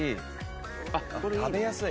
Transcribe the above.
食べやすい。